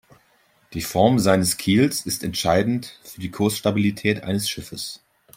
Die Form seines Kiels ist entscheidend für die Kursstabilität eines Schiffes.